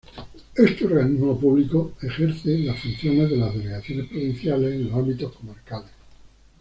Este organismo público ejerce las funciones de las Delegaciones Provinciales en los ámbitos comarcales.